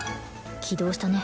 起動したね